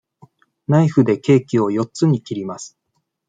ナイフでケーキを四つに切ります。